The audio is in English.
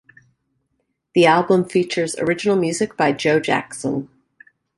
The album features original music by Joe Jackson.